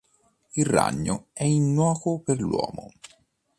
Il ragno è innocuo per l'uomo.